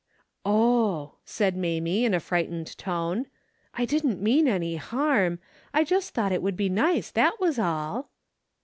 Oh," said Mamie, in a frightened tone, '' I didn't mean any harm. I just thought it would be nice, that was all."